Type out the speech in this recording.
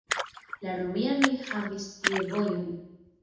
La romianoj havis tie vojon.